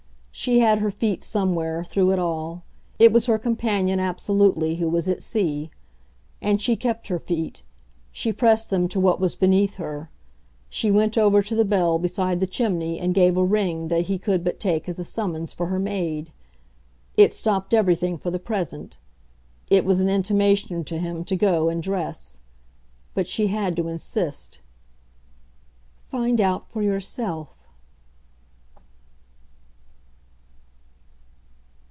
She had her feet somewhere, through it all it was her companion, absolutely, who was at sea. And she kept her feet; she pressed them to what was beneath her. She went over to the bell beside the chimney and gave a ring that he could but take as a summons for her maid. It stopped everything for the present; it was an intimation to him to go and dress. But she had to insist. "Find out for yourself!"